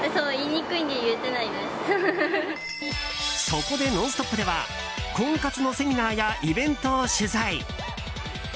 そこで「ノンストップ！」では婚活のセミナーやイベントを取材。